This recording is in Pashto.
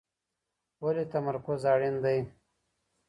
ولي تمرکز اړین دی؟